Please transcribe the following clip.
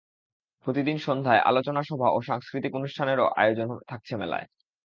প্রতিদিন সন্ধ্যায় আলোচনা সভা ও সাংস্কৃতিক অনুষ্ঠানেরও আয়োজন থাকছে মেলায়।